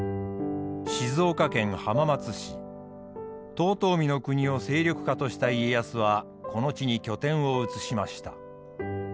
遠江国を勢力下とした家康はこの地に拠点を移しました。